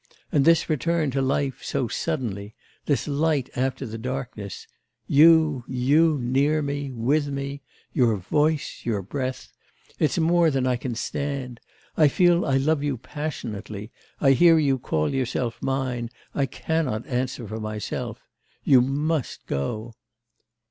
And this return to life so suddenly; this light after the darkness, you you near me, with me your voice, your breath.... It's more than I can stand! I feel I love you passionately, I hear you call yourself mine, I cannot answer for myself... You must go!